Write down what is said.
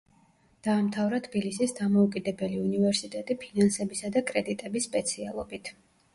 დაამთავრა თბილისის დამოუკიდებელი უნივერსიტეტი ფინანსებისა და კრედიტების სპეციალობით.